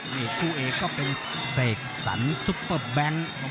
นี่คู่เอกก็เป็นเสกสรรซุปเปอร์แบงค์